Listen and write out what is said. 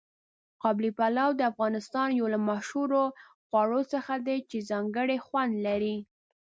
قابلي پلو د افغانستان یو له مشهورو خواړو څخه دی چې ځانګړی خوند لري.